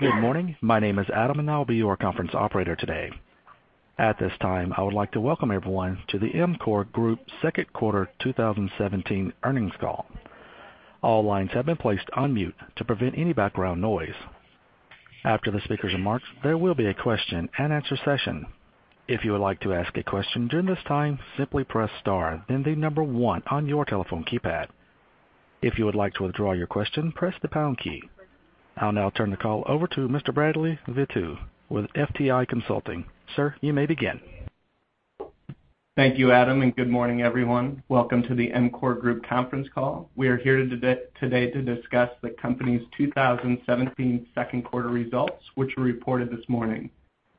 Good morning. My name is Adam, and I'll be your conference operator today. At this time, I would like to welcome everyone to the EMCOR Group second quarter 2017 earnings call. All lines have been placed on mute to prevent any background noise. After the speakers' remarks, there will be a question and answer session. If you would like to ask a question during this time, simply press star, then the number one on your telephone keypad. If you would like to withdraw your question, press the pound key. I'll now turn the call over to Mr. Bradley Vittu with FTI Consulting. Sir, you may begin. Thank you, Adam, and good morning, everyone. Welcome to the EMCOR Group conference call. We are here today to discuss the company's 2017 second quarter results, which were reported this morning.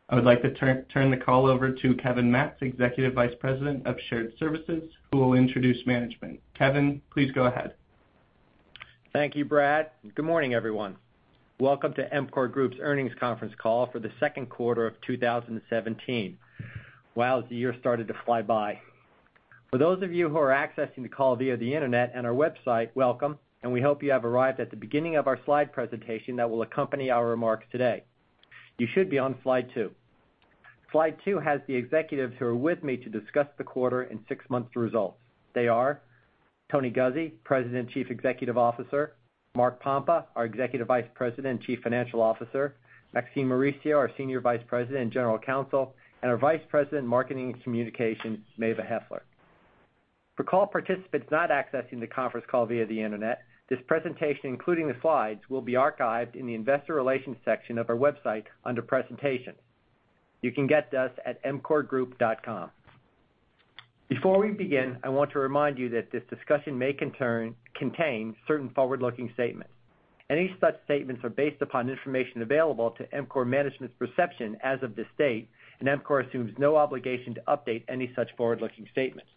I would like to turn the call over to Kevin Matz, Executive Vice President of Shared Services, who will introduce management. Kevin, please go ahead. Thank you, Brad. Good morning, everyone. Welcome to EMCOR Group's earnings conference call for the second quarter of 2017. Wow, the year started to fly by. For those of you who are accessing the call via the internet and our website, welcome, and we hope you have arrived at the beginning of our slide presentation that will accompany our remarks today. You should be on slide two. Slide two has the executives who are with me to discuss the quarter and six months results. They are Tony Guzzi, President Chief Executive Officer, Mark Pompa, our Executive Vice President and Chief Financial Officer, Maxine Mauricio, our Senior Vice President and General Counsel, and our Vice President, Marketing and Communications, Mava Heffler. For call participants not accessing the conference call via the internet, this presentation, including the slides, will be archived in the investor relations section of our website under presentations. You can get to us at emcorgroup.com. Before we begin, I want to remind you that this discussion may contain certain forward-looking statements. Any such statements are based upon information available to EMCOR management's perception as of this date, and EMCOR assumes no obligation to update any such forward-looking statements.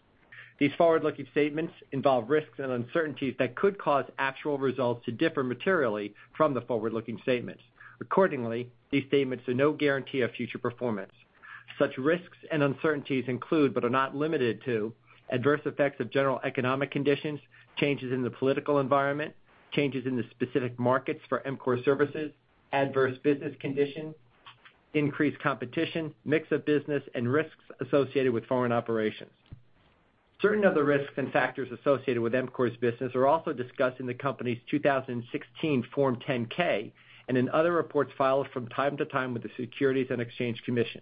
These forward-looking statements involve risks and uncertainties that could cause actual results to differ materially from the forward-looking statements. Accordingly, these statements are no guarantee of future performance. Such risks and uncertainties include, but are not limited to adverse effects of general economic conditions, changes in the political environment, changes in the specific markets for EMCOR services, adverse business conditions, increased competition, mix of business, and risks associated with foreign operations. Certain other risks and factors associated with EMCOR's business are also discussed in the company's 2016 Form 10-K and in other reports filed from time to time with the Securities and Exchange Commission.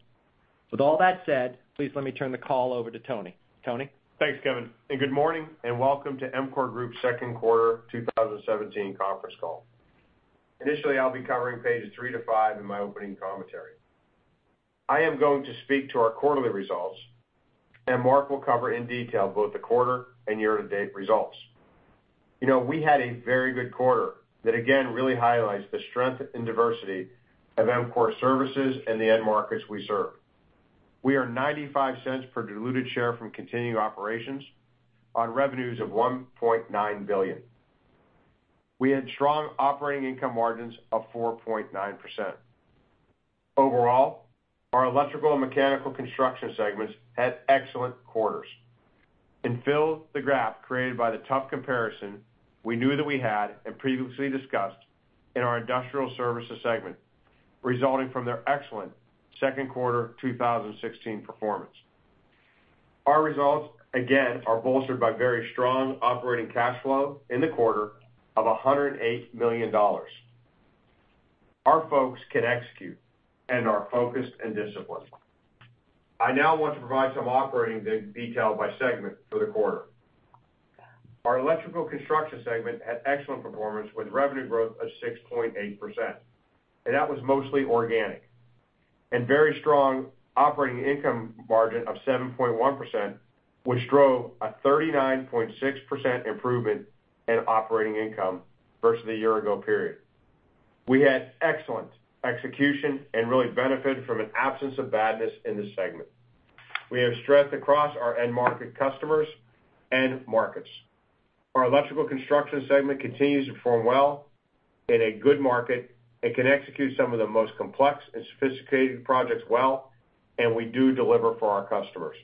With all that said, please let me turn the call over to Tony. Tony? Thanks, Kevin, good morning, and welcome to EMCOR Group's second quarter 2017 conference call. Initially, I'll be covering pages three to five in my opening commentary. I am going to speak to our quarterly results, Mark will cover in detail both the quarter and year-to-date results. We had a very good quarter that again, really highlights the strength and diversity of EMCOR services and the end markets we serve. We are $0.95 per diluted share from continuing operations on revenues of $1.9 billion. We had strong operating income margins of 4.9%. Overall, our electrical and mechanical construction segments had excellent quarters and filled the graph created by the tough comparison we knew that we had and previously discussed in our industrial services segment, resulting from their excellent second quarter 2016 performance. Our results, again, are bolstered by very strong operating cash flow in the quarter of $108 million. Our folks can execute and are focused and disciplined. I now want to provide some operating detail by segment for the quarter. Our electrical construction segment had excellent performance with revenue growth of 6.8%. That was mostly organic, and very strong operating income margin of 7.1%, which drove a 39.6% improvement in operating income versus the year-ago period. We had excellent execution and really benefited from an absence of badness in this segment. We have strength across our end market customers and markets. Our electrical construction segment continues to perform well in a good market and can execute some of the most complex and sophisticated projects well, we do deliver for our customers.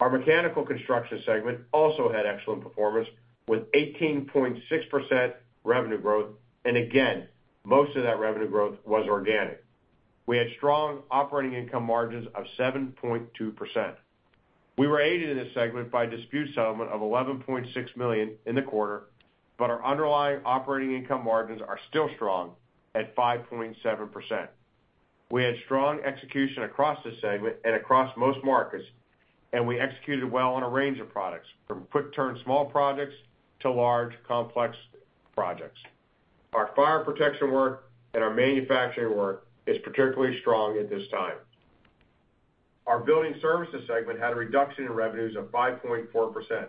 Our mechanical construction segment also had excellent performance with 18.6% revenue growth. Again, most of that revenue growth was organic. We had strong operating income margins of 7.2%. We were aided in this segment by a dispute settlement of $11.6 million in the quarter, our underlying operating income margins are still strong at 5.7%. We had strong execution across the segment and across most markets, we executed well on a range of products, from quick turn small projects to large, complex projects. Our fire protection work and our manufacturing work is particularly strong at this time. Our building services segment had a reduction in revenues of 5.4%,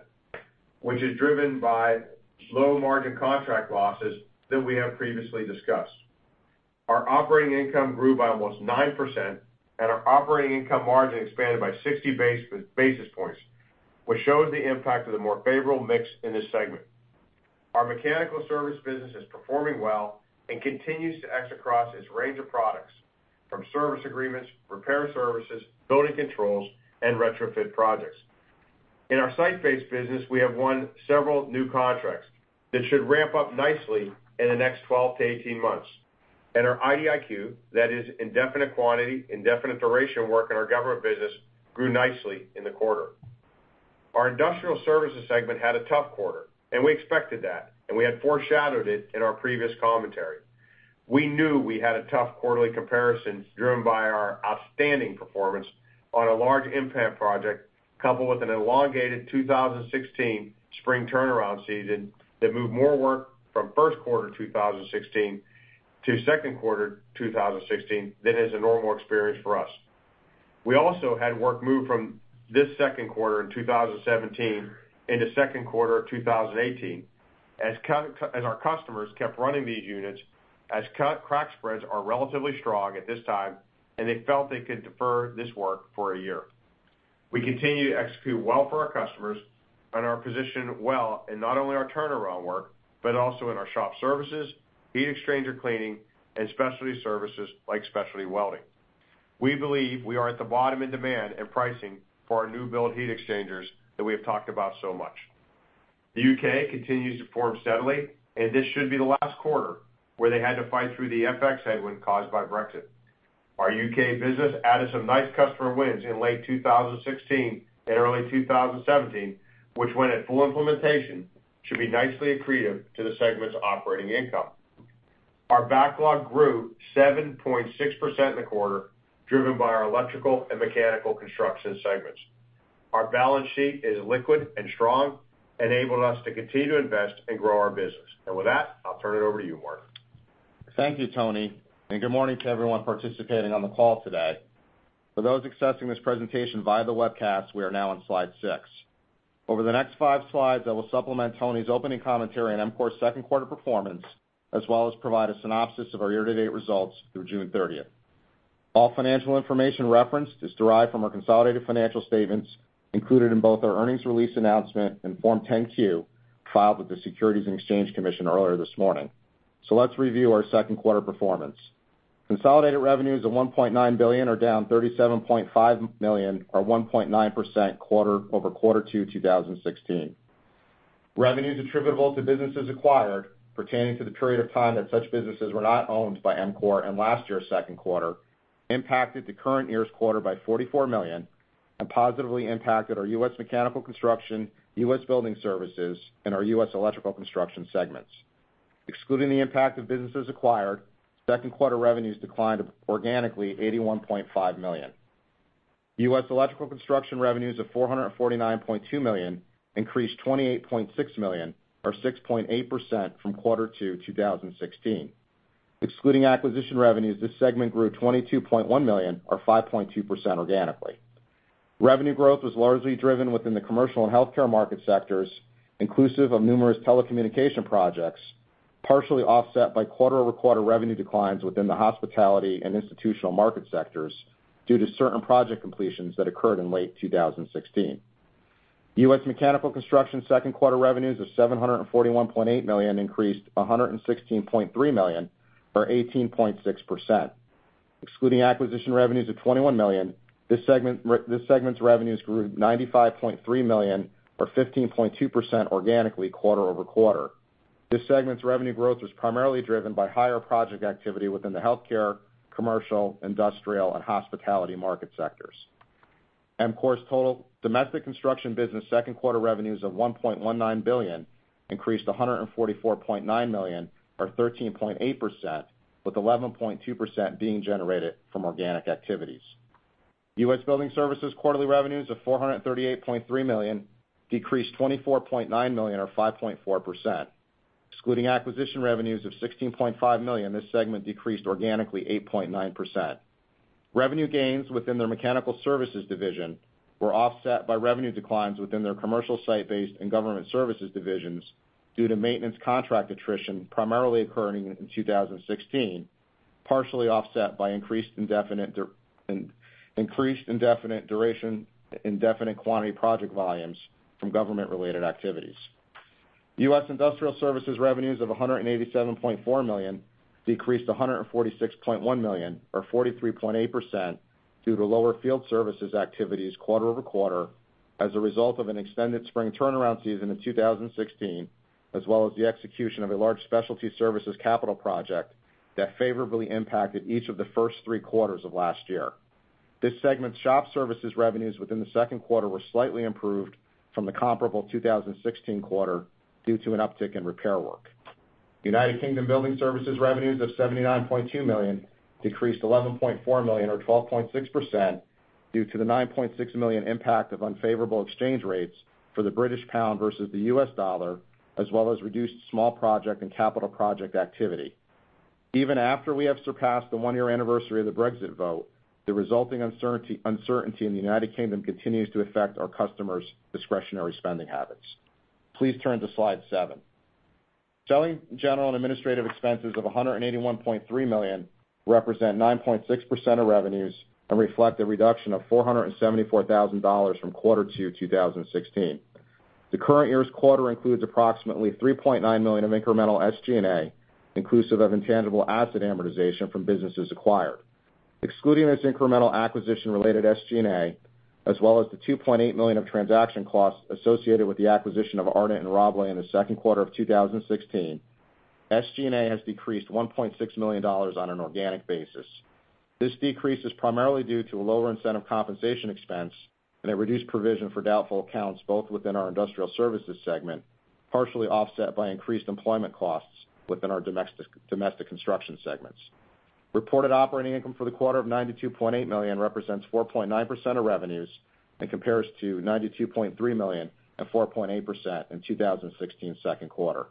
which is driven by low margin contract losses that we have previously discussed. Our operating income grew by almost 9%, our operating income margin expanded by 60 basis points, which shows the impact of the more favorable mix in this segment. Our mechanical service business is performing well and continues to exit across its range of products from service agreements, repair services, building controls, and retrofit projects. In our site-based business, we have won several new contracts that should ramp up nicely in the next 12 to 18 months. Our IDIQ, that is Indefinite Quantity, Indefinite Duration work in our government business, grew nicely in the quarter. Our industrial services segment had a tough quarter, we expected that, we had foreshadowed it in our previous commentary. We knew we had a tough quarterly comparison driven by our outstanding performance on a large impact project, coupled with an elongated 2016 spring turnaround season that moved more work from first quarter 2016 to second quarter 2016 than is a normal experience for us. We also had work moved from this second quarter in 2017 into second quarter of 2018, as our customers kept running these units as crack spreads are relatively strong at this time, they felt they could defer this work for a year. We continue to execute well for our customers and are positioned well in not only our turnaround work, but also in our shop services, heat exchanger cleaning, and specialty services like specialty welding. We believe we are at the bottom in demand and pricing for our new build heat exchangers that we have talked about so much. The U.K. continues to perform steadily, this should be the last quarter where they had to fight through the FX headwind caused by Brexit. Our U.K. business added some nice customer wins in late 2016 and early 2017, which when at full implementation, should be nicely accretive to the segment's operating income. Our backlog grew 7.6% in the quarter, driven by our electrical and mechanical construction segments. Our balance sheet is liquid and strong, enabling us to continue to invest and grow our business. With that, I'll turn it over to you, Mark. Thank you, Tony. Good morning to everyone participating on the call today. For those accessing this presentation via the webcast, we are now on slide six. Over the next five slides, I will supplement Tony's opening commentary on EMCOR's second quarter performance, as well as provide a synopsis of our year-to-date results through June 30th. All financial information referenced is derived from our consolidated financial statements included in both our earnings release announcement and Form 10-Q filed with the Securities and Exchange Commission earlier this morning. Let's review our second quarter performance. Consolidated revenues of $1.9 billion are down $37.5 million or 1.9% over quarter two 2016. Revenues attributable to businesses acquired pertaining to the period of time that such businesses were not owned by EMCOR in last year's second quarter impacted the current year's quarter by $44 million and positively impacted our U.S. mechanical construction, U.S. building services, and our U.S. electrical construction segments. Excluding the impact of businesses acquired, second quarter revenues declined organically $81.5 million. U.S. electrical construction revenues of $449.2 million increased $28.6 million or 6.8% from quarter two 2016. Excluding acquisition revenues, this segment grew $22.1 million or 5.2% organically. Revenue growth was largely driven within the commercial and healthcare market sectors, inclusive of numerous telecommunication projects, partially offset by quarter-over-quarter revenue declines within the hospitality and institutional market sectors due to certain project completions that occurred in late 2016. U.S. mechanical construction second quarter revenues of $741.8 million increased $116.3 million or 18.6%. Excluding acquisition revenues of $21 million, this segment's revenues grew $95.3 million or 15.2% organically quarter-over-quarter. This segment's revenue growth was primarily driven by higher project activity within the healthcare, commercial, industrial, and hospitality market sectors. EMCOR's total domestic construction business second quarter revenues of $1.19 billion increased $144.9 million or 13.8%, with 11.2% being generated from organic activities. U.S. building services quarterly revenues of $438.3 million decreased $24.9 million or 5.4%. Excluding acquisition revenues of $16.5 million, this segment decreased organically 8.9%. Revenue gains within their mechanical services division were offset by revenue declines within their commercial site-based and government services divisions due to maintenance contract attrition primarily occurring in 2016, partially offset by increased indefinite duration, indefinite quantity project volumes from government-related activities. U.S. industrial services revenues of $187.4 million decreased $146.1 million or 43.8% due to lower field services activities quarter-over-quarter as a result of an extended spring turnaround season in 2016, as well as the execution of a large specialty services capital project that favorably impacted each of the first three quarters of last year. This segment's shop services revenues within the second quarter were slightly improved from the comparable 2016 quarter due to an uptick in repair work. United Kingdom building services revenues of $79.2 million decreased $11.4 million or 12.6% due to the $9.6 million impact of unfavorable exchange rates for the British pound versus the U.S. dollar, as well as reduced small project and capital project activity. Even after we have surpassed the one-year anniversary of the Brexit vote, the resulting uncertainty in the United Kingdom continues to affect our customers' discretionary spending habits. Please turn to slide seven. Selling, general, and administrative expenses of $181.3 million represent 9.6% of revenues and reflect a reduction of $474,000 from quarter two 2016. The current year's quarter includes approximately $3.9 million of incremental SG&A, inclusive of intangible asset amortization from businesses acquired. Excluding this incremental acquisition-related SG&A, as well as the $2.8 million of transaction costs associated with the acquisition of Ardent and Rabalais in the second quarter of 2016, SG&A has decreased $1.6 million on an organic basis. This decrease is primarily due to a lower incentive compensation expense and a reduced provision for doubtful accounts, both within our industrial services segment, partially offset by increased employment costs within our domestic construction segments. Reported operating income for the quarter of $92.8 million represents 4.9% of revenues and compares to $92.3 million and 4.8% in 2016 second quarter.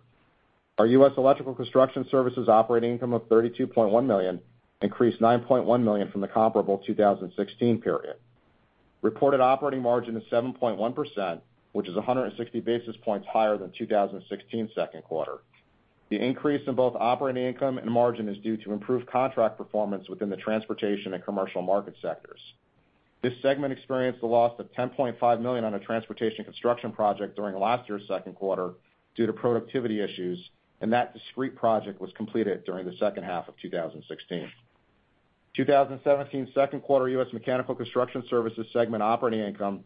Our U.S. electrical construction services operating income of $32.1 million increased $9.1 million from the comparable 2016 period. Reported operating margin is 7.1%, which is 160 basis points higher than 2016 second quarter. The increase in both operating income and margin is due to improved contract performance within the transportation and commercial market sectors. This segment experienced a loss of $10.5 million on a transportation construction project during last year's second quarter due to productivity issues, and that discrete project was completed during the second half of 2016. 2017 second quarter U.S. mechanical construction services segment operating income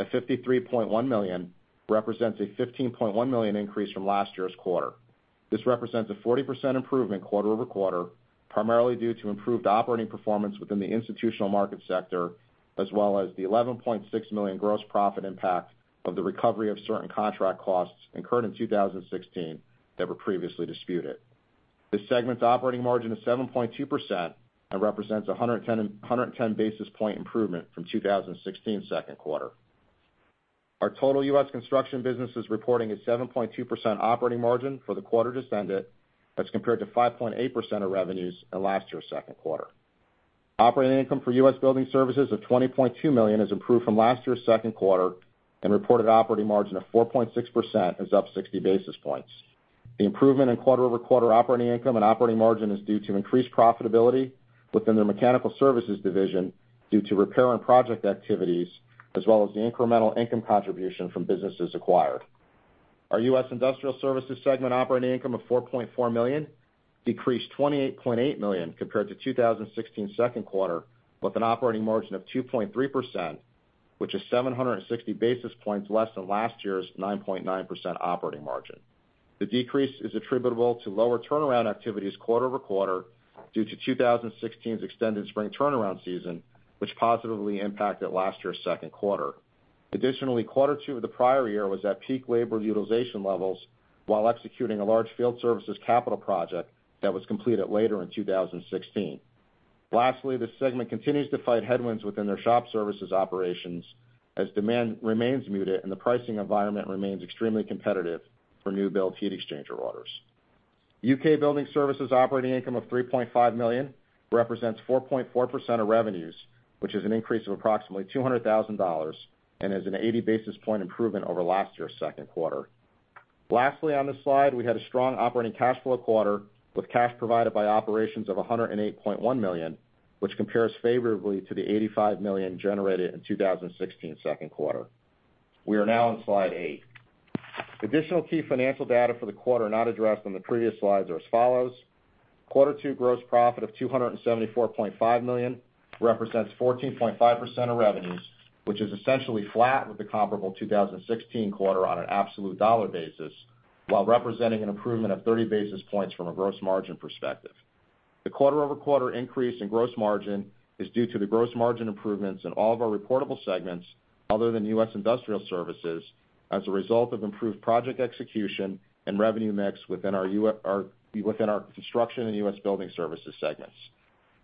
at $53.1 million represents a $15.1 million increase from last year's quarter. This represents a 40% improvement quarter-over-quarter, primarily due to improved operating performance within the institutional market sector, as well as the $11.6 million gross profit impact of the recovery of certain contract costs incurred in 2016 that were previously disputed. This segment's operating margin is 7.2% and represents 110 basis points improvement from 2016 second quarter. Our total U.S. construction business is reporting a 7.2% operating margin for the quarter just ended. That's compared to 5.8% of revenues in last year's second quarter. Operating income for U.S. building services of $20.2 million has improved from last year's second quarter and reported operating margin of 4.6% is up 60 basis points. The improvement in quarter-over-quarter operating income and operating margin is due to increased profitability within their mechanical services division due to repair and project activities, as well as the incremental income contribution from businesses acquired. Our U.S. Industrial Services segment operating income of $4.4 million decreased $28.8 million compared to 2016 second quarter, with an operating margin of 2.3%, which is 760 basis points less than last year's 9.9% operating margin. The decrease is attributable to lower turnaround activities quarter-over-quarter due to 2016's extended spring turnaround season, which positively impacted last year's second quarter. Additionally, quarter two of the prior year was at peak labor utilization levels while executing a large field services capital project that was completed later in 2016. Lastly, this segment continues to fight headwinds within their shop services operations as demand remains muted and the pricing environment remains extremely competitive for new build heat exchanger orders. U.K. building services operating income of $3.5 million represents 4.4% of revenues, which is an increase of approximately $200,000 and is an 80 basis points improvement over last year's second quarter. Lastly, on this slide, we had a strong operating cash flow quarter with cash provided by operations of $108.1 million, which compares favorably to the $85 million generated in 2016 second quarter. We are now on slide eight. Additional key financial data for the quarter not addressed on the previous slides are as follows: Quarter two gross profit of $274.5 million represents 14.5% of revenues, which is essentially flat with the comparable 2016 quarter on an absolute dollar basis, while representing an improvement of 30 basis points from a gross margin perspective. The quarter-over-quarter increase in gross margin is due to the gross margin improvements in all of our reportable segments other than U.S. Industrial Services as a result of improved project execution and revenue mix within our Construction and U.S. Building Services segments.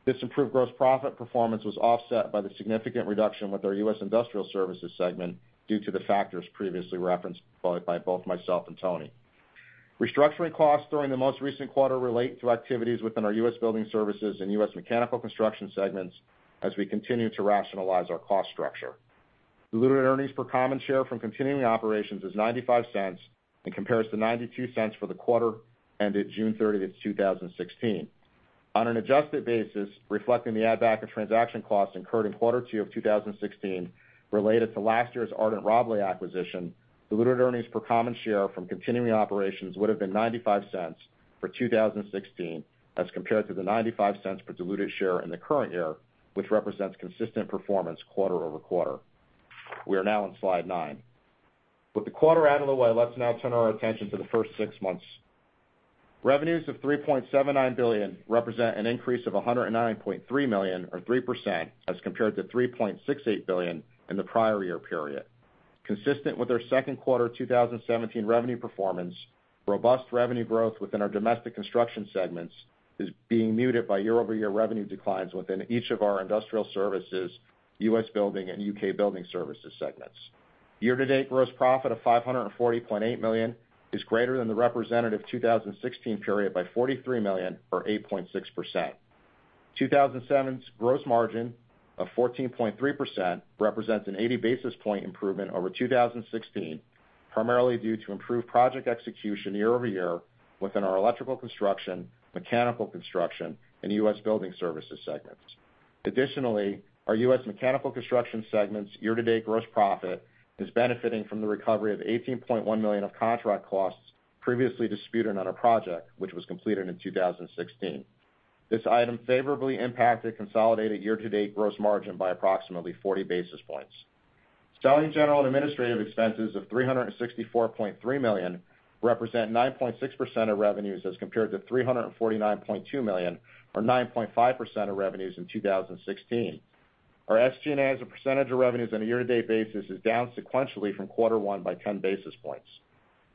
This improved gross profit performance was offset by the significant reduction with our U.S. Industrial Services segment due to the factors previously referenced by both myself and Tony. Restructuring costs during the most recent quarter relate to activities within our U.S. Building Services and U.S. Mechanical Construction segments as we continue to rationalize our cost structure. Diluted earnings per common share from continuing operations is $0.95 and compares to $0.92 for the quarter ended June 30th, 2016. On an adjusted basis, reflecting the add back of transaction costs incurred in quarter two of 2016 related to last year's Ardent Services acquisition, diluted earnings per common share from continuing operations would have been $0.95 for 2016, as compared to the $0.95 per diluted share in the current year, which represents consistent performance quarter-over-quarter. We are now on slide nine. With the quarter out of the way, let's now turn our attention to the first six months. Revenues of $3.79 billion represent an increase of $109.3 million or 3% as compared to $3.68 billion in the prior year period. Consistent with our second quarter 2017 revenue performance, robust revenue growth within our domestic construction segments is being muted by year-over-year revenue declines within each of our Industrial Services, U.S. Building and U.K. Building Services segments. Year-to-date gross profit of $540.8 million is greater than the representative 2016 period by $43 million or 8.6%. 2017's gross margin of 14.3% represents an 80 basis point improvement over 2016, primarily due to improved project execution year over year within our electrical construction, mechanical construction and U.S. Building Services segments. Additionally, our U.S. mechanical construction segment's year-to-date gross profit is benefiting from the recovery of $18.1 million of contract costs previously disputed on a project, which was completed in 2016. This item favorably impacted consolidated year-to-date gross margin by approximately 40 basis points. Selling, general, and administrative expenses of $364.3 million represent 9.6% of revenues, as compared to $349.2 million, or 9.5% of revenues in 2016. Our SG&A, as a percentage of revenues on a year-to-date basis, is down sequentially from quarter one by 10 basis points.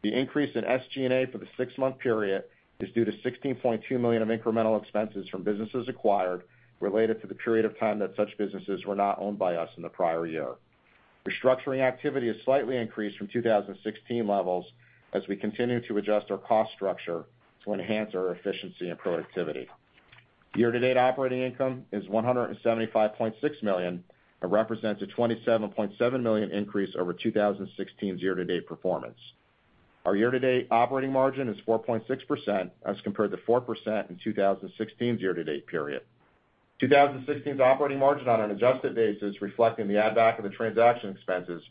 The increase in SG&A for the six-month period is due to $16.2 million of incremental expenses from businesses acquired related to the period of time that such businesses were not owned by us in the prior year. Restructuring activity has slightly increased from 2016 levels as we continue to adjust our cost structure to enhance our efficiency and productivity. Year-to-date operating income is $175.6 million and represents a $27.7 million increase over 2016's year-to-date performance. Our year-to-date operating margin is 4.6%, as compared to 4% in 2016's year-to-date period. 2016's operating margin on an adjusted basis, reflecting the add back of the transaction expenses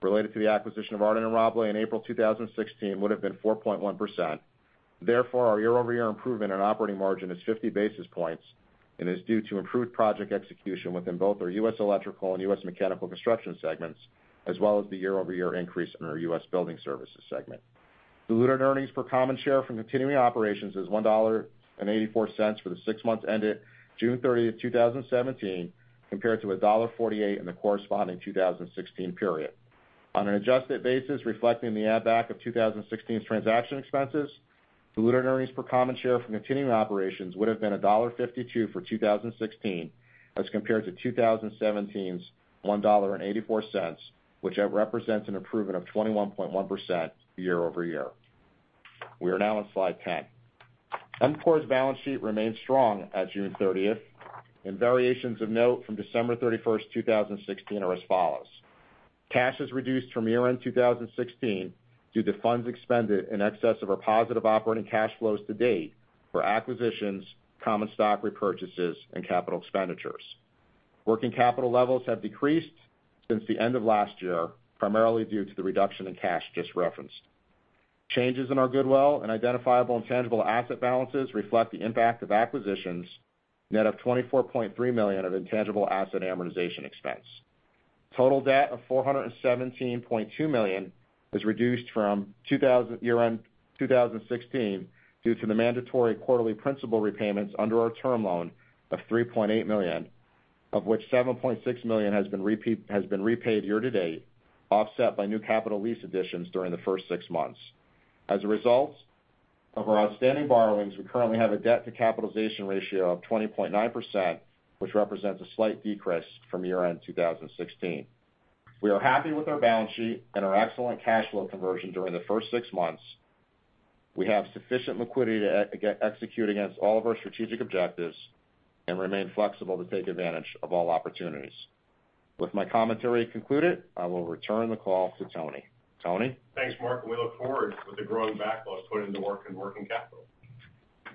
related to the acquisition of Ardent Services in April 2016, would've been 4.1%. Therefore, our year-over-year improvement in operating margin is 50 basis points and is due to improved project execution within both our U.S. electrical and U.S. mechanical construction segments, as well as the year-over-year increase in our U.S. building services segment. Diluted earnings per common share from continuing operations is $1.84 for the six months ended June 30, 2017, compared to $1.48 in the corresponding 2016 period. On an adjusted basis, reflecting the add back of 2016's transaction expenses, diluted earnings per common share from continuing operations would've been $1.52 for 2016 as compared to 2017's $1.84, which represents an improvement of 21.1% year-over-year. We are now on slide 10. EMCOR's balance sheet remains strong at June 30th, and variations of note from December 31, 2016, are as follows. Cash is reduced from year-end 2016 due to funds expended in excess of our positive operating cash flows to date for acquisitions, common stock repurchases, and capital expenditures. Working capital levels have decreased since the end of last year, primarily due to the reduction in cash just referenced. Changes in our goodwill and identifiable intangible asset balances reflect the impact of acquisitions, net of $24.3 million of intangible asset amortization expense. Total debt of $417.2 million is reduced from year-end 2016 due to the mandatory quarterly principal repayments under our term loan of $3.8 million, of which $7.6 million has been repaid year-to-date, offset by new capital lease additions during the first six months. As a result of our outstanding borrowings, we currently have a debt-to-capitalization ratio of 20.9%, which represents a slight decrease from year-end 2016. We are happy with our balance sheet and our excellent cash flow conversion during the first six months. We have sufficient liquidity to execute against all of our strategic objectives and remain flexible to take advantage of all opportunities. With my commentary concluded, I will return the call to Tony. Tony? Thanks, Mark. We look forward with the growing backlog putting to work in working capital.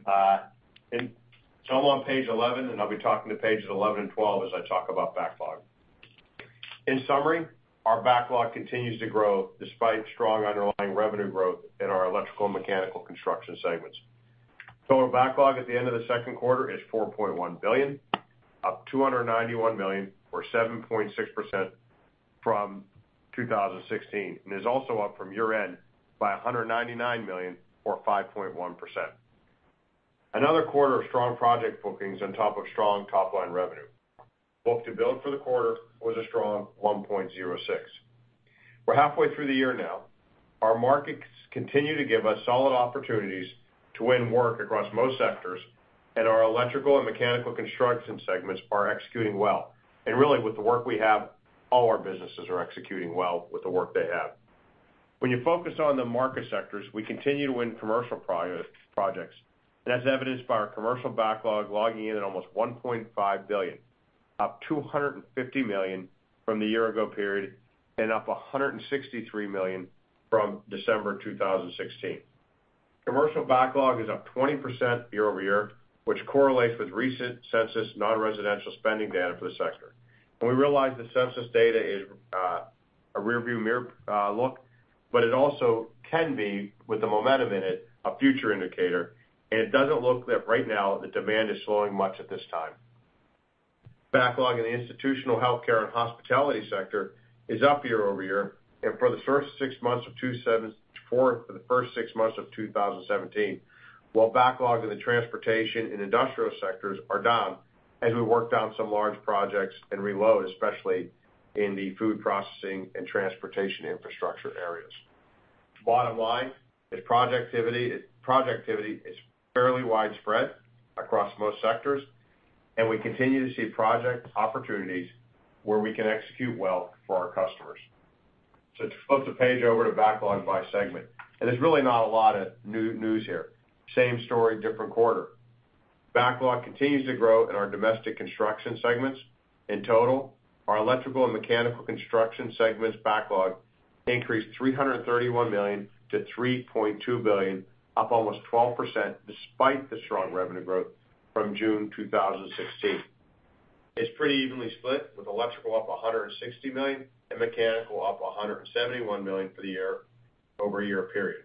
I'm on page 11, and I'll be talking to pages 11 and 12 as I talk about backlog. In summary, our backlog continues to grow despite strong underlying revenue growth in our electrical and mechanical construction segments. Total backlog at the end of the second quarter is $4.1 billion, up $291 million, or 7.6% from 2016, and is also up from year-end by $199 million or 5.1%. Another quarter of strong project bookings on top of strong top-line revenue. book-to-bill for the quarter was a strong 1.06. We're halfway through the year now. Our markets continue to give us solid opportunities to win work across most sectors, and our electrical and mechanical construction segments are executing well. Really, with the work we have, all our businesses are executing well with the work they have. When you focus on the market sectors, we continue to win commercial projects, as evidenced by our commercial backlog logging in at almost $1.5 billion, up $250 million from the year ago period and up $163 million from December 2016. Commercial backlog is up 20% year-over-year, which correlates with recent census non-residential spending data for the sector. We realize that census data is a rearview mirror look, but it also can be, with the momentum in it, a future indicator, and it doesn't look that right now, the demand is slowing much at this time. Backlog in the institutional healthcare and hospitality sector is up year-over-year and for the first 6 months of 2017, while backlog in the transportation and industrial sectors are down as we work down some large projects and reload, especially in the food processing and transportation infrastructure areas. Bottom line is projectivity is fairly widespread across most sectors, and we continue to see project opportunities where we can execute well for our customers. Flip the page over to backlog by segment. There's really not a lot of news here. Same story, different quarter. Backlog continues to grow in our domestic construction segments. In total, our electrical and mechanical construction segments backlog increased $331 million to $3.2 billion, up almost 12%, despite the strong revenue growth from June 2016. It's pretty evenly split, with electrical up $160 million and mechanical up $171 million for the year-over-year period.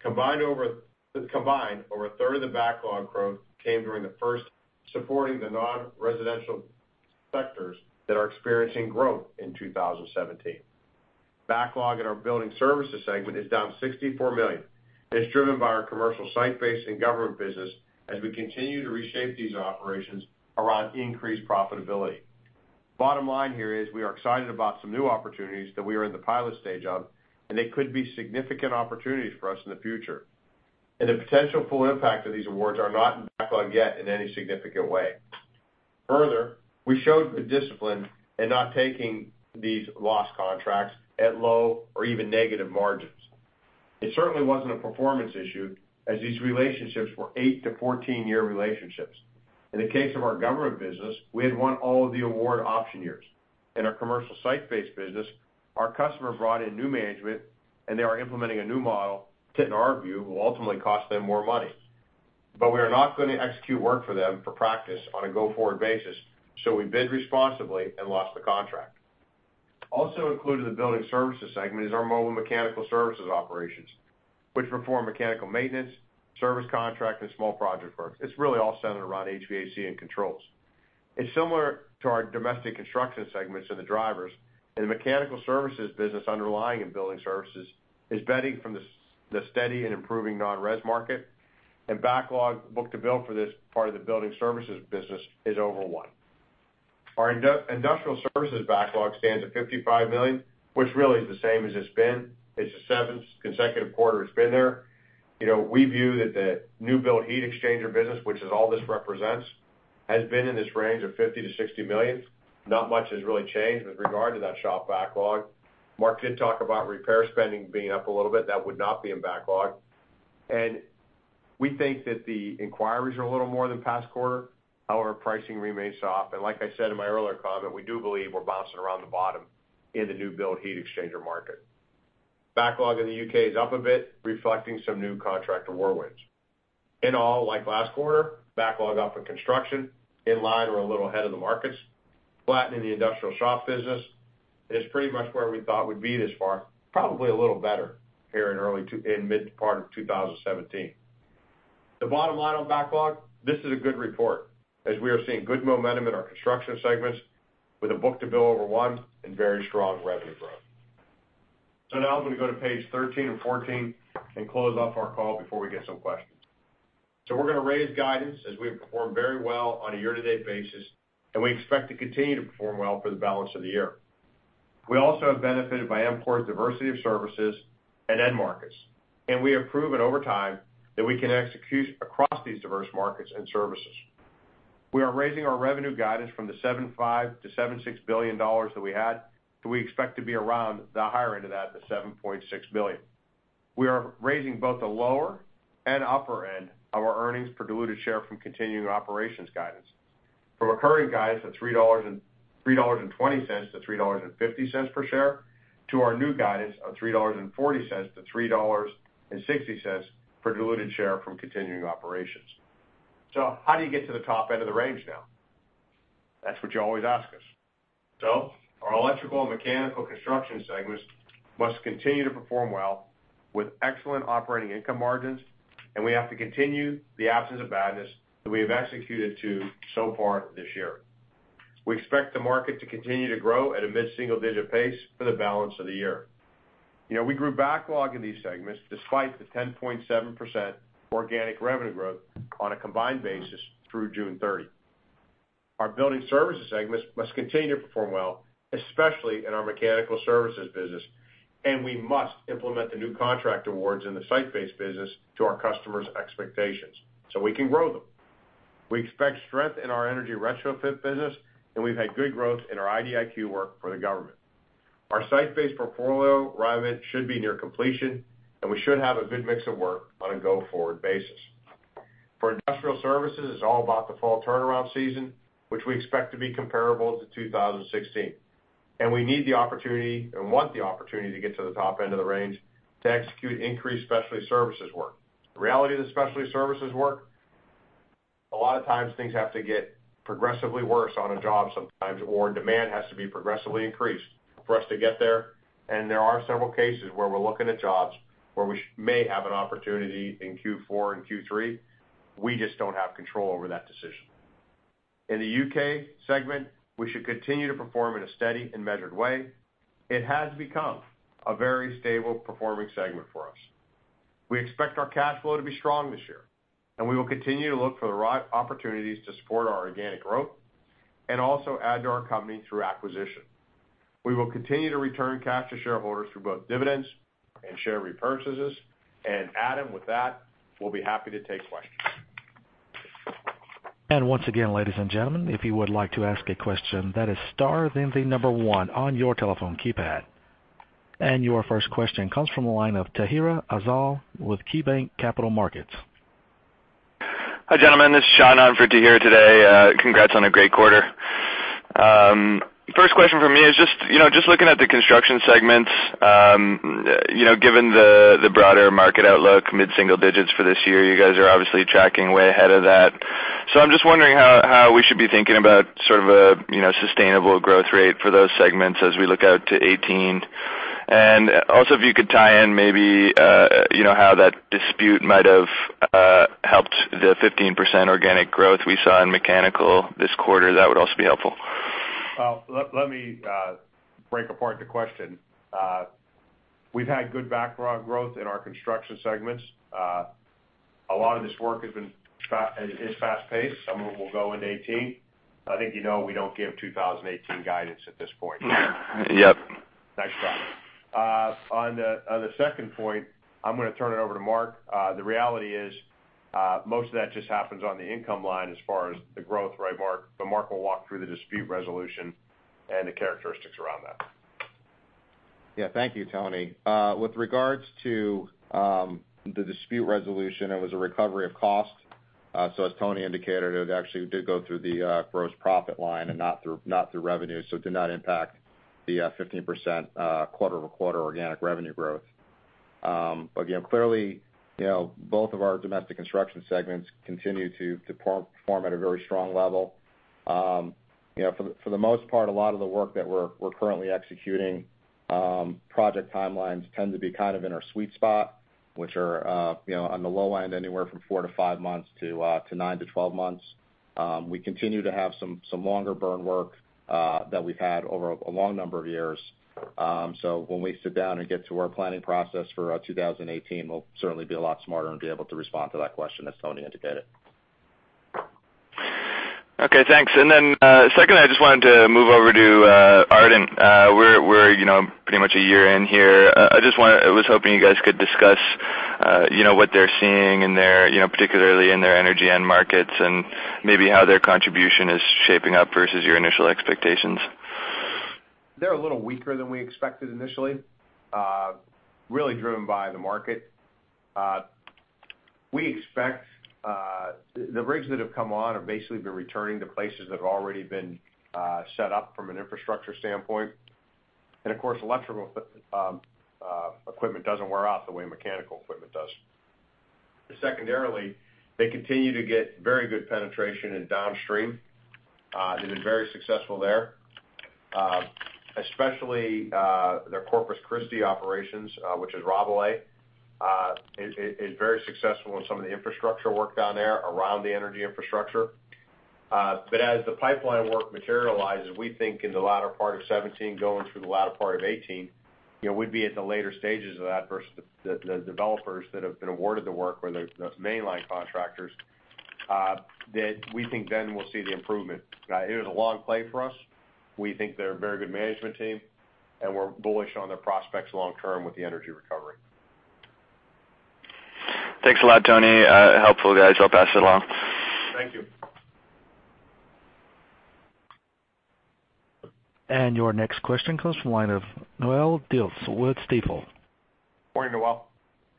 Combined, over a third of the backlog growth came during the first, supporting the non-residential sectors that are experiencing growth in 2017. Backlog in our building services segment is down $64 million, and it's driven by our commercial site-based and government business, as we continue to reshape these operations around increased profitability. Bottom line here is we are excited about some new opportunities that we are in the pilot stage of, and they could be significant opportunities for us in the future. The potential full impact of these awards are not in backlog yet in any significant way. Further, we showed good discipline in not taking these loss contracts at low or even negative margins. It certainly wasn't a performance issue, as these relationships were 8 to 14-year relationships. In the case of our government business, we had won all of the award option years. In our commercial site-based business, our customer brought in new management, they are implementing a new model that, in our view, will ultimately cost them more money. We are not going to execute work for them for practice on a go-forward basis, we bid responsibly and lost the contract. Also included in the building services segment is our mobile mechanical services operations, which perform mechanical maintenance, service contract, and small project work. It's really all centered around HVAC and controls. It's similar to our domestic construction segments and the drivers. The mechanical services business underlying in building services is betting from the steady and improving non-res market. Backlog book-to-bill for this part of the building services business is over one. Our industrial services backlog stands at $55 million, which really is the same as it's been. It's the seventh consecutive quarter it's been there. We view that the new build heat exchanger business, which is all this represents, has been in this range of $50 million to $60 million. Not much has really changed with regard to that shop backlog. Mark did talk about repair spending being up a little bit. That would not be in backlog. We think that the inquiries are a little more than the past quarter. However, pricing remains soft. Like I said in my earlier comment, we do believe we're bouncing around the bottom in the new build heat exchanger market. Backlog in the U.K. is up a bit, reflecting some new contract awards. In all, like last quarter, backlog up in construction, in line or a little ahead of the markets. Flattening the industrial shop business is pretty much where we thought we'd be this far, probably a little better here in mid-part of 2017. The bottom line on backlog, this is a good report as we are seeing good momentum in our construction segments with a book-to-bill over 1 and very strong revenue growth. Now I'm going to go to page 13 and 14 and close off our call before we get some questions. We're going to raise guidance as we have performed very well on a year-to-date basis, and we expect to continue to perform well for the balance of the year. We also have benefited by EMCOR's diversity of services and end markets, and we have proven over time that we can execute across these diverse markets and services. We are raising our revenue guidance from the $7.5 billion-$7.6 billion that we had, that we expect to be around the higher end of that, the $7.6 billion. We are raising both the lower and upper end of our earnings per diluted share from continuing operations guidance. From occurring guidance of $3.20-$3.50 per share, to our new guidance of $3.40-$3.60 per diluted share from continuing operations. How do you get to the top end of the range now? That's what you always ask us. Our electrical and mechanical construction segments must continue to perform well with excellent operating income margins, and we have to continue the absence of badness that we have executed to so far this year. We expect the market to continue to grow at a mid-single-digit pace for the balance of the year. We grew backlog in these segments despite the 10.7% organic revenue growth on a combined basis through June 30. Our building services segments must continue to perform well, especially in our mechanical services business, and we must implement the new contract awards in the site-based business to our customers' expectations so we can grow them. We expect strength in our energy retrofit business, and we've had good growth in our IDIQ work for the government. Our site-based portfolio, [Ryvit], should be near completion, and we should have a good mix of work on a go-forward basis. For industrial services, it's all about the fall turnaround season, which we expect to be comparable to 2016. We need the opportunity and want the opportunity to get to the top end of the range to execute increased specialty services work. The reality of the specialty services work, a lot of times things have to get progressively worse on a job sometimes, or demand has to be progressively increased for us to get there. There are several cases where we're looking at jobs where we may have an opportunity in Q4 and Q3. We just don't have control over that decision. In the U.K. segment, we should continue to perform in a steady and measured way. It has become a very stable performing segment for us. We expect our cash flow to be strong this year, and we will continue to look for the right opportunities to support our organic growth and also add to our company through acquisition. We will continue to return cash to shareholders through both dividends and share repurchases. Adam, with that, we'll be happy to take questions. Once again, ladies and gentlemen, if you would like to ask a question, that is star 1 on your telephone keypad. Your first question comes from the line of Tahira Afzal with KeyBanc Capital Markets. Hi, gentlemen. This is Sean Onfrat here today. Congrats on a great quarter. First question from me is just looking at the construction segments, given the broader market outlook, mid-single digits for this year, you guys are obviously tracking way ahead of that. I'm just wondering how we should be thinking about a sustainable growth rate for those segments as we look out to 2018. Also, if you could tie in maybe how that dispute might have helped the 15% organic growth we saw in mechanical this quarter, that would also be helpful. Well, let me break apart the question. We've had good background growth in our construction segments. A lot of this work is fast-paced. Some of it will go into 2018. I think you know we don't give 2018 guidance at this point. Yep. Next slide. On the second point, I'm going to turn it over to Mark. The reality is, most of that just happens on the income line as far as the growth. Right, Mark? Mark will walk through the dispute resolution and the characteristics around that. Yeah. Thank you, Tony. With regards to the dispute resolution, it was a recovery of cost. As Tony indicated, it actually did go through the gross profit line and not through revenue, so it did not impact the 15% quarter-over-quarter organic revenue growth. Again, clearly, both of our domestic construction segments continue to perform at a very strong level. For the most part, a lot of the work that we're currently executing, project timelines tend to be kind of in our sweet spot, which are, on the low end, anywhere from four to five months to nine to 12 months. We continue to have some longer burn work that we've had over a long number of years. When we sit down and get to our planning process for 2018, we'll certainly be a lot smarter and be able to respond to that question, as Tony indicated. Okay, thanks. Second, I just wanted to move over to Ardent. We're pretty much a year in here. I was hoping you guys could discuss what they're seeing, particularly in their energy end markets and maybe how their contribution is shaping up versus your initial expectations. They're a little weaker than we expected initially. Really driven by the market. The rigs that have come on have basically been returning to places that have already been set up from an infrastructure standpoint. Of course, electrical equipment doesn't wear out the way mechanical equipment does. Secondarily, they continue to get very good penetration in downstream. They've been very successful there. Especially their Corpus Christi operations, which is Rabalais, is very successful in some of the infrastructure work down there around the energy infrastructure. As the pipeline work materializes, we think in the latter part of 2017 going through the latter part of 2018, we'd be at the later stages of that versus the developers that have been awarded the work or the mainline contractors, that we think then we'll see the improvement. It is a long play for us. We think they're a very good management team, and we're bullish on their prospects long term with the energy recovery. Thanks a lot, Tony. Helpful, guys. I'll pass it along. Thank you. Your next question comes from the line of Noelle Dilts with Stifel. Morning, Noelle.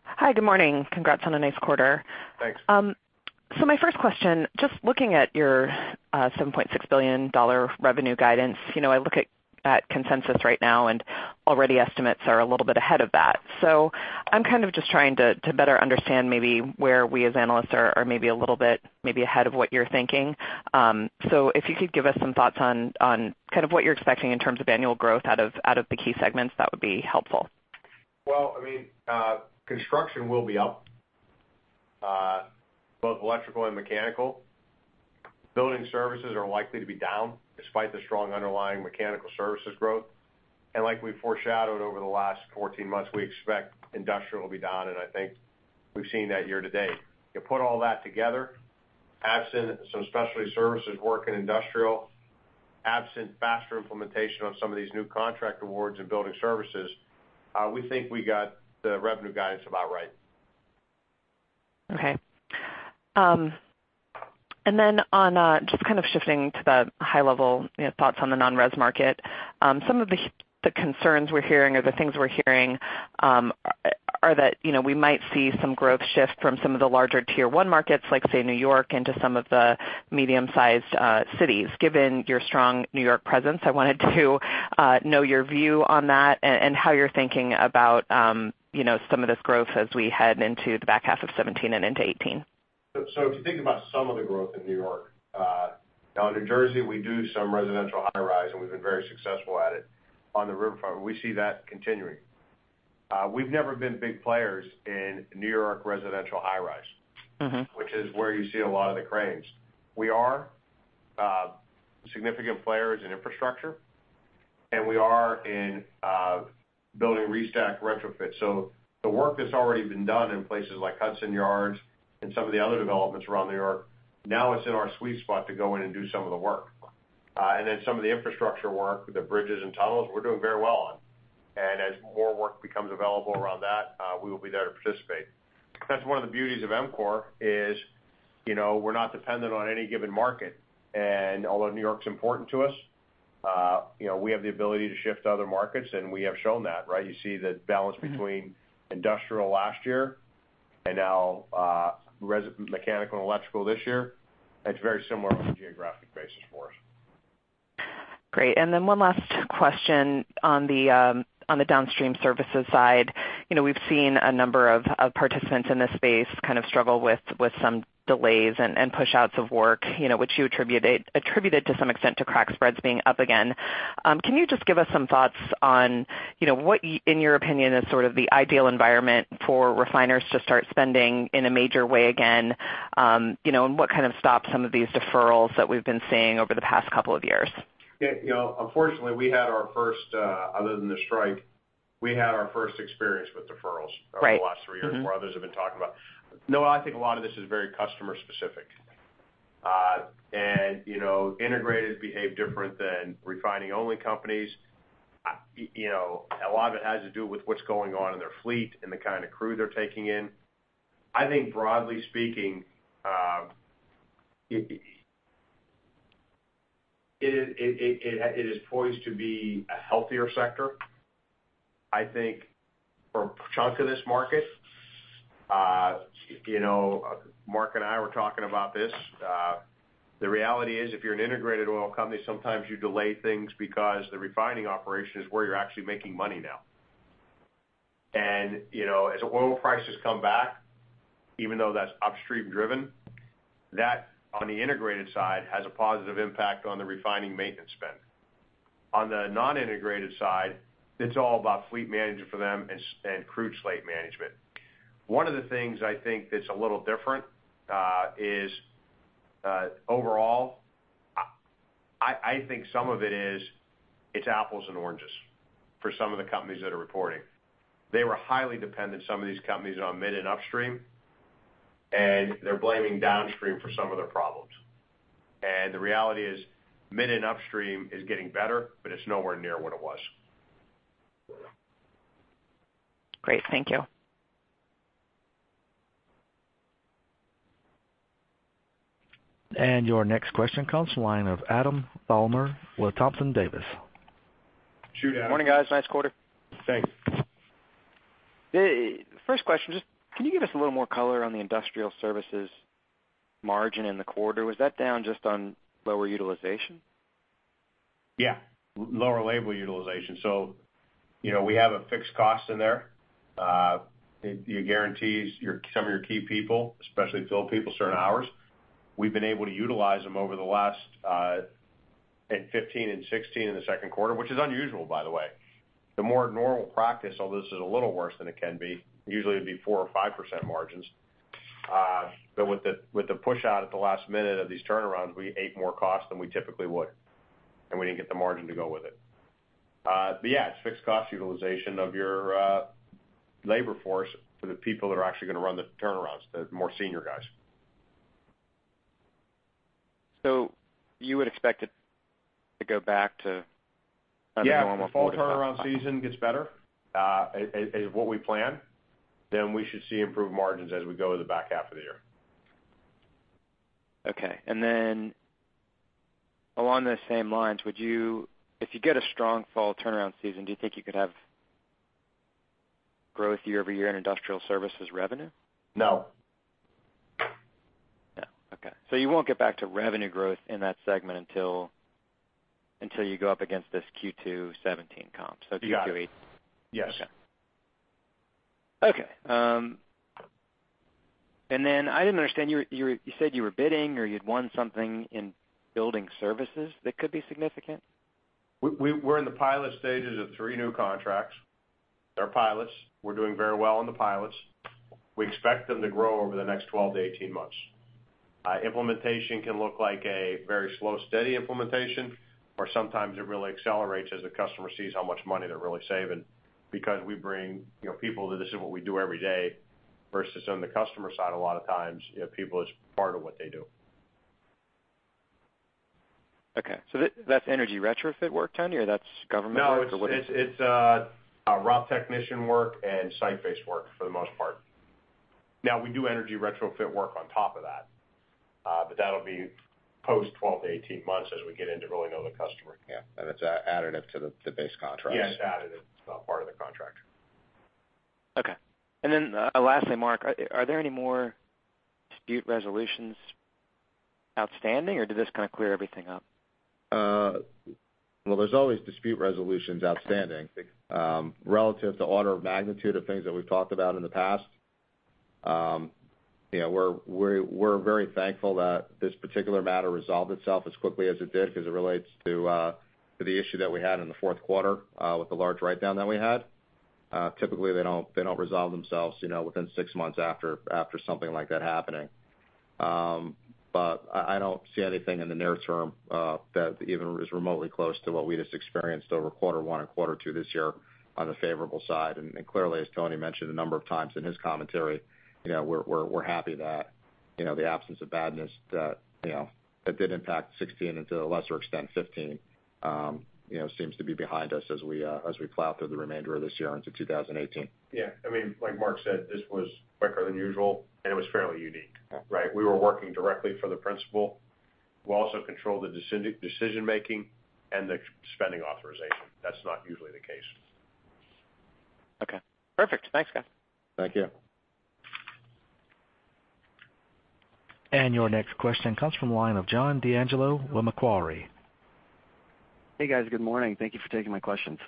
Hi, good morning. Congrats on a nice quarter. Thanks. My first question, just looking at your $7.6 billion revenue guidance, I look at consensus right now, already estimates are a little bit ahead of that. I'm kind of just trying to better understand maybe where we as analysts are maybe a little bit ahead of what you're thinking. If you could give us some thoughts on kind of what you're expecting in terms of annual growth out of the key segments, that would be helpful. Construction will be up, both electrical and mechanical. Building services are likely to be down despite the strong underlying mechanical services growth. Like we foreshadowed over the last 14 months, we expect industrial will be down, and I think we've seen that year to date. You put all that together, absent some specialty services work in industrial, absent faster implementation on some of these new contract awards in building services, we think we got the revenue guidance about right. Okay. Just kind of shifting to the high level thoughts on the non-res market. Some of the concerns we're hearing or the things we're hearing are that we might see some growth shift from some of the larger tier 1 markets like, say, New York into some of the medium-sized cities. Given your strong New York presence, I wanted to know your view on that and how you're thinking about some of this growth as we head into the back half of 2017 and into 2018. If you think about some of the growth in New York, now in New Jersey, we do some residential high-rise, and we've been very successful at it on the riverfront, and we see that continuing. We've never been big players in New York residential high-rise, which is where you see a lot of the cranes. We are significant players in infrastructure, and we are in building restack retrofits. The work that's already been done in places like Hudson Yards and some of the other developments around New York, now it's in our sweet spot to go in and do some of the work. Some of the infrastructure work, the bridges and tunnels, we're doing very well on. As more work becomes available around that, we will be there to participate. That's one of the beauties of EMCOR is we're not dependent on any given market. Although New York's important to us We have the ability to shift to other markets, and we have shown that, right? You see the balance between industrial last year and now mechanical and electrical this year. It's very similar on a geographic basis for us. Great. One last question on the downstream services side. We've seen a number of participants in this space kind of struggle with some delays and pushouts of work, which you attributed to some extent to crack spreads being up again. Can you just give us some thoughts on what, in your opinion, is sort of the ideal environment for refiners to start spending in a major way again? What kind of stops some of these deferrals that we've been seeing over the past couple of years? Yeah. Unfortunately, other than the strike, we had our first experience with deferrals. Right over the last three years, where others have been talking about. No, I think a lot of this is very customer specific. Integrated behave different than refining-only companies. A lot of it has to do with what's going on in their fleet and the kind of crew they're taking in. I think broadly speaking, it is poised to be a healthier sector, I think for a chunk of this market. Mark and I were talking about this. The reality is, if you're an integrated oil company, sometimes you delay things because the refining operation is where you're actually making money now. As oil prices come back, even though that's upstream driven, that, on the integrated side, has a positive impact on the refining maintenance spend. On the non-integrated side, it's all about fleet management for them and crude slate management. One of the things I think that's a little different, is, overall, I think some of it is, it's apples and oranges for some of the companies that are reporting. They were highly dependent, some of these companies, on mid and upstream, and they're blaming downstream for some of their problems. The reality is, mid and upstream is getting better, but it's nowhere near what it was. Great. Thank you. Your next question comes the line of Adam Thalhimer with Thompson Davis. Shoot, Adam. Morning, guys. Nice quarter. Thanks. First question, just can you give us a little more color on the industrial services margin in the quarter? Was that down just on lower utilization? Yeah. Lower labor utilization. We have a fixed cost in there. It guarantees some of your key people, especially field people, certain hours. We've been able to utilize them over the last, in 2015 and 2016 in the second quarter, which is unusual, by the way. The more normal practice, although this is a little worse than it can be, usually it'd be 4% or 5% margins. With the pushout at the last minute of these turnarounds, we ate more cost than we typically would, and we didn't get the margin to go with it. Yeah, it's fixed cost utilization of your labor force for the people that are actually gonna run the turnarounds, the more senior guys. You would expect it to go back to kind of normal? Yeah, if fall turnaround season gets better, as what we plan, we should see improved margins as we go to the back half of the year. Okay. Along those same lines, if you get a strong fall turnaround season, do you think you could have growth year-over-year in industrial services revenue? No. Okay. You won't get back to revenue growth in that segment until you go up against this Q2 2017 comp. Q2 2018. Yes. Okay. I didn't understand, you said you were bidding or you'd won something in building services that could be significant? We're in the pilot stages of three new contracts. They're pilots. We're doing very well in the pilots. We expect them to grow over the next 12 to 18 months. Implementation can look like a very slow, steady implementation, or sometimes it really accelerates as the customer sees how much money they're really saving because we bring people that this is what we do every day, versus on the customer side, a lot of times, people, it's part of what they do. Okay. That's energy retrofit work, Tony? That's government work? What is it? No, it's raw technician work and site-based work for the most part. Now, we do energy retrofit work on top of that. That'll be post 12 to 18 months as we get in to really know the customer. Yeah. It's additive to the base contract. Yeah, it's additive. It's not part of the contract. Okay. Lastly, Mark, are there any more dispute resolutions outstanding, or did this kind of clear everything up? Well, there's always dispute resolutions outstanding. Relative to order of magnitude of things that we've talked about in the past, we're very thankful that this particular matter resolved itself as quickly as it did, because it relates to the issue that we had in the fourth quarter, with the large write-down that we had. Typically, they don't resolve themselves within six months after something like that happening. I don't see anything in the near term that even is remotely close to what we just experienced over quarter one and quarter two this year on the favorable side. Clearly, as Tony mentioned a number of times in his commentary, we're happy that the absence of badness that did impact 2016, and to a lesser extent 2015, seems to be behind us as we plow through the remainder of this year into 2018. Yeah. Like Mark said, this was quicker than usual, it was fairly unique. Yeah. Right? We were working directly for the principal, who also controlled the decision making and the spending authorization. That's not usually the case. Okay, perfect. Thanks, guys. Thank you. Your next question comes from the line of John D'Angelo with Macquarie. Hey, guys. Good morning. Thank you for taking my questions.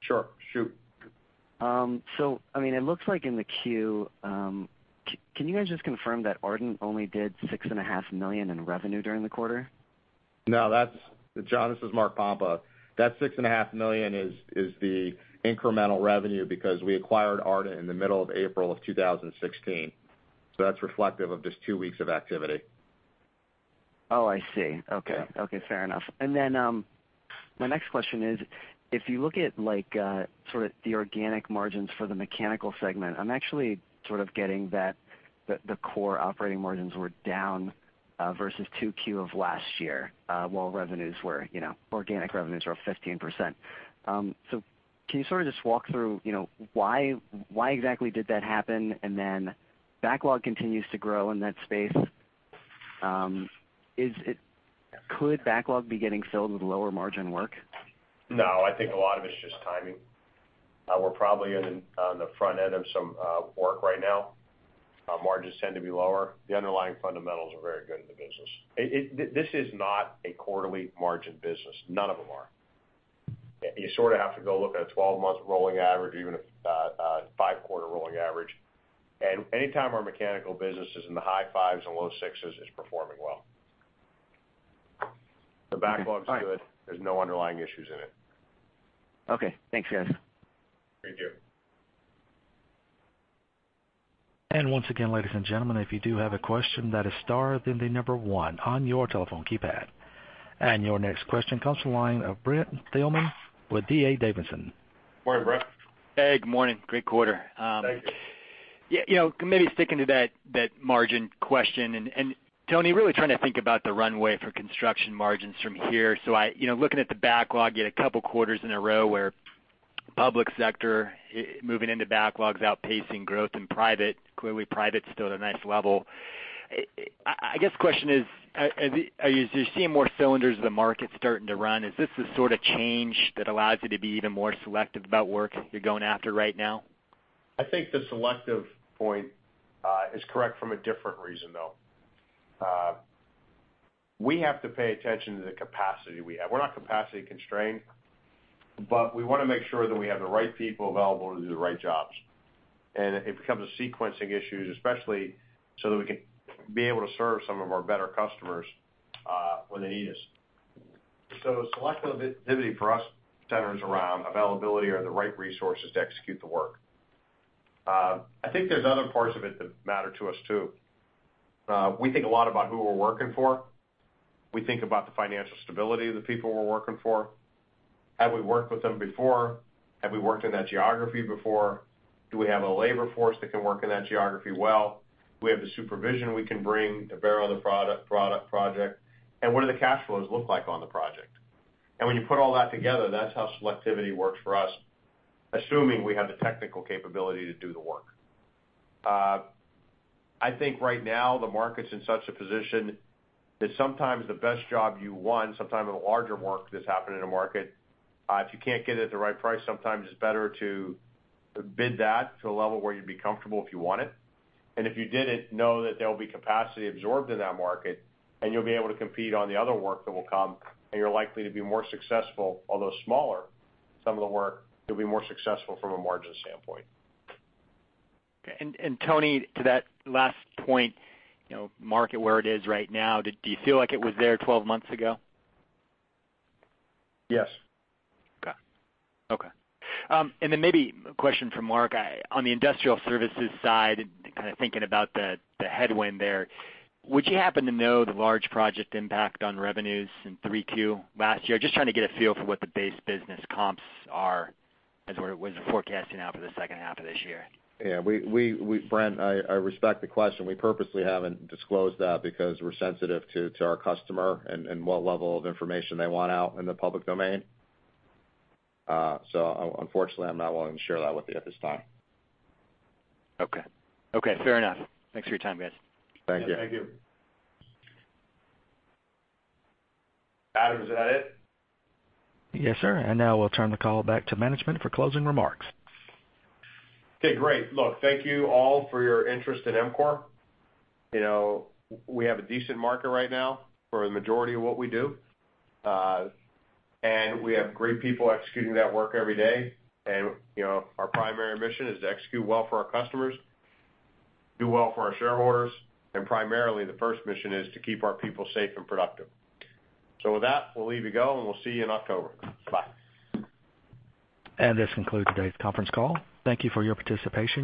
Sure. Shoot. It looks like in the queue, can you guys just confirm that Ardent only did $6.5 million in revenue during the quarter? No. John, this is Mark Pompa. That $6.5 million is the incremental revenue because we acquired Ardent in the middle of April of 2016. That's reflective of just two weeks of activity. Oh, I see. Okay. Fair enough. My next question is, if you look at the organic margins for the mechanical segment, I'm actually getting that the core operating margins were down versus 2Q of last year, while organic revenues were up 15%. Can you just walk through why exactly did that happen? Backlog continues to grow in that space. Could backlog be getting filled with lower margin work? No, I think a lot of it's just timing. We're probably on the front end of some work right now. Margins tend to be lower. The underlying fundamentals are very good in the business. This is not a quarterly margin business. None of them are. You have to go look at a 12-month rolling average, even a five-quarter rolling average. Anytime our mechanical business is in the high fives and low sixes, it's performing well. The backlog's good. There's no underlying issues in it. Okay. Thanks, guys. Thank you. Once again, ladies and gentlemen, if you do have a question, that is star, then the 1 on your telephone keypad. Your next question comes from the line of Brent Thielman with D.A. Davidson. Morning, Brent. Hey, good morning. Great quarter. Thank you. Maybe sticking to that margin question, Tony, really trying to think about the runway for construction margins from here. Looking at the backlog, you had a couple of quarters in a row where public sector moving into backlogs outpacing growth in private. Clearly, private's still at a nice level. I guess the question is, as you're seeing more cylinders of the market starting to run, is this the sort of change that allows you to be even more selective about work you're going after right now? I think the selective point is correct from a different reason, though. We have to pay attention to the capacity we have. We're not capacity constrained, we want to make sure that we have the right people available to do the right jobs. It becomes a sequencing issue, especially so that we can be able to serve some of our better customers when they need us. Selectivity for us centers around availability or the right resources to execute the work. I think there's other parts of it that matter to us, too. We think a lot about who we're working for. We think about the financial stability of the people we're working for. Have we worked with them before? Have we worked in that geography before? Do we have a labor force that can work in that geography well? Do we have the supervision we can bring to bear on the product project? What do the cash flows look like on the project? When you put all that together, that's how selectivity works for us, assuming we have the technical capability to do the work. I think right now the market's in such a position that sometimes the best job you won, sometimes the larger work that's happened in a market, if you can't get it at the right price, sometimes it's better to bid that to a level where you'd be comfortable if you won it. If you did it, know that there'll be capacity absorbed in that market, and you'll be able to compete on the other work that will come, and you're likely to be more successful, although smaller, some of the work, you'll be more successful from a margin standpoint. Okay, Tony, to that last point, market where it is right now, do you feel like it was there 12 months ago? Yes. Got it. Okay. Maybe a question from Mark. On the industrial services side, kind of thinking about the headwind there, would you happen to know the large project impact on revenues in 3Q last year? Just trying to get a feel for what the base business comps are as we're forecasting out for the second half of this year. Yeah, Brent, I respect the question. We purposely haven't disclosed that because we're sensitive to our customer and what level of information they want out in the public domain. Unfortunately, I'm not willing to share that with you at this time. Okay. Fair enough. Thanks for your time, guys. Thank you. Thank you. Adam, is that it? Now we'll turn the call back to management for closing remarks. Okay, great. Look, thank you all for your interest in EMCOR. We have a decent market right now for the majority of what we do. We have great people executing that work every day. Our primary mission is to execute well for our customers, do well for our shareholders, and primarily the first mission is to keep our people safe and productive. With that, we'll leave you go, and we'll see you in October. Bye. This concludes today's conference call. Thank you for your participation.